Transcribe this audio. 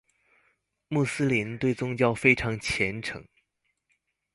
穆斯林對宗教非常虔誠